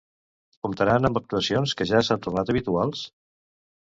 Comptaran amb actuacions que ja s'han tornat habituals?